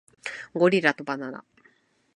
ゴリラとバナナ